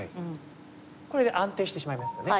これで安定してしまいますよね。